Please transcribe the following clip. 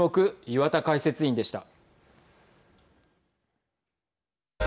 岩田解説委員でした。